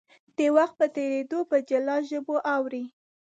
د وخت په تېرېدو په جلا ژبو اوړي.